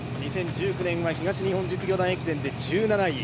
２０１９年は東日本実業団駅伝で１７位。